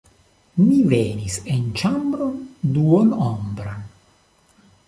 Ni venis en ĉambron duonombran.